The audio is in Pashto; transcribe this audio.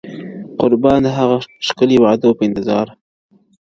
قربان د هغه ښکلي د وعدو په انتظار